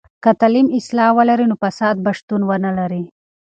که تعلیم اصلاح ولري، نو فساد به شتون ونلري.